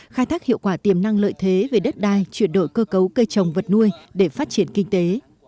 khai thác hiệu quả tiềm năng lợi thế về đất đai chuyển đổi cơ cấu cây trồng vật nuôi để phát triển kinh tế